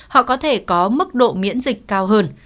họ có thể có mức độ miễn dịch cao hơn